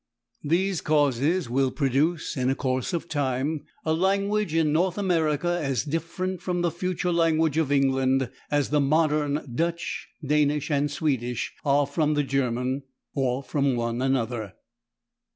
These causes will produce, in a course of time, a language in [Pg002] North America as different from the future language of England as the modern Dutch, Danish and Swedish are from the German, or from one another."